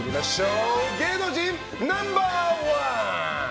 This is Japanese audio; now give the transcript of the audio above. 芸能人ナンバー１。